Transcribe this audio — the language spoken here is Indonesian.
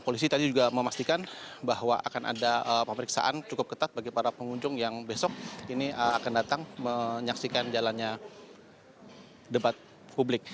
polisi tadi juga memastikan bahwa akan ada pemeriksaan cukup ketat bagi para pengunjung yang besok ini akan datang menyaksikan jalannya debat publik